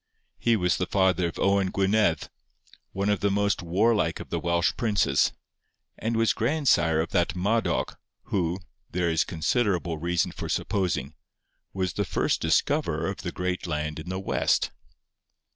He was the father of Owen Gwynedd, one of the most warlike of the Welsh princes, and was grandsire of that Madoc who, there is considerable reason for supposing, was the first discoverer of the great land in the West.